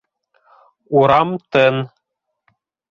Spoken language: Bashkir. Урам тын.